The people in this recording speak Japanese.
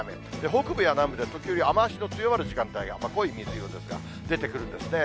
北部や南部で時折雨足の強まる時間帯が、濃い水色ですが、出てくるんですね。